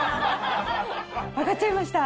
わかっちゃいました？